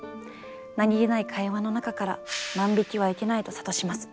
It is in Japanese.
何気ない会話の中から「万引きはいけない」と諭します。